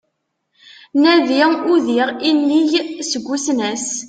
Nadi udiɣ inig seg usnas